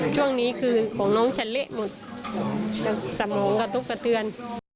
ช่วงนี้คือของน้องฉันเละหมดสมองกระตุ๊กกระเตือน